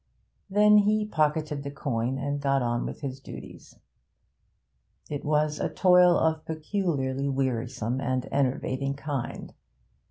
Then he pocketed the coin and got on with his duties. It was toil of a peculiarly wearisome and enervating kind.